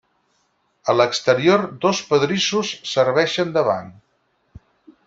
A l'exterior dos pedrissos serveixen de banc.